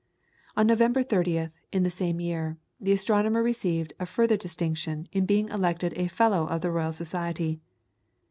On November 30th, in the same year, the astronomer received a further distinction in being elected a Fellow of the Royal Society.